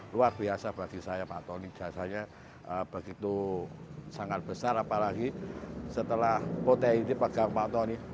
luar biasa bagi saya pak tony jasanya begitu sangat besar apalagi setelah potehi dipegang pak tony